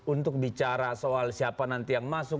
untuk bicara soal siapa nanti yang masuk